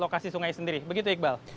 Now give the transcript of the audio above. lokasi sungai sendiri begitu iqbal